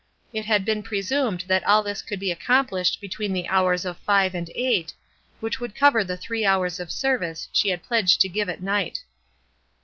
It had been presumed that all this could be accomplished between the hours of five and eight, which would cover the three hours of service she had pledged to give at night.